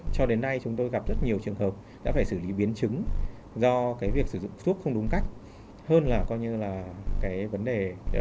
cho đến nay chúng tôi gặp rất nhiều trường hợp đã phải xử lý biến chứng do việc sử dụng thuốc không đúng cách hơn là coi như là cái vấn đề